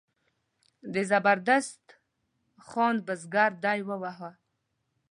د زبردست خان بزګر دی وواهه.